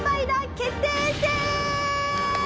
決定戦。